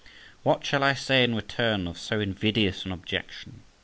What shall I say in return of so invidious an objection?